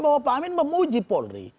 bahwa pak amin memuji polri